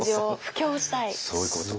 そういうことか。